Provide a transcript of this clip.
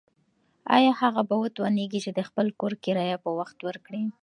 ایا هغه به وتوانیږي چې د خپل کور کرایه په وخت ورکړي؟